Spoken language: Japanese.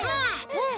うん！